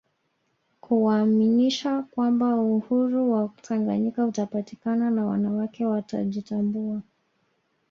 Kuwaaminisha kwamba Uhuru wa Tanganyika utapatikana kama wanawake watajitambua